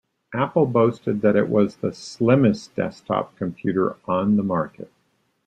Apple boasted that it was the slimmest desktop computer on the market.